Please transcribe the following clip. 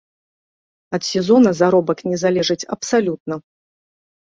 Ад сезона заробак не залежыць абсалютна.